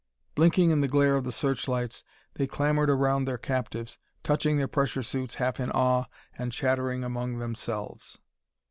Blinking in the glare of the searchlights, they clamored around their captives, touching their pressure suits half in awe and chattering among themselves.